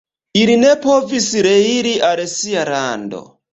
Ili ne povis reiri al sia lando.